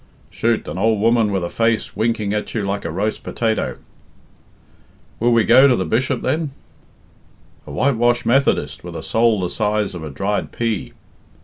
"Chut! an ould woman with a face winking at you like a roast potato." "Will we go to the Bishop, then?" "A whitewashed Methodist with a soul the size of a dried pea."